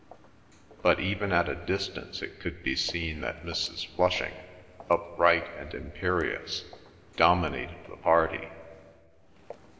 But even at a distance it could be seen that Mrs. Flushing, upright and imperious, dominated the party.